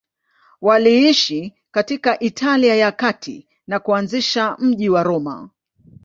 Waliishi katika Italia ya Kati na kuanzisha mji wa Roma.